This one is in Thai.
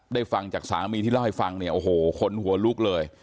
ฟังจากสามีที่เล่าให้ฟังเนี่ยโอ้โหคนหัวลุกเลย